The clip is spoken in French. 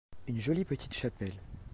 une jolie petite chapelle.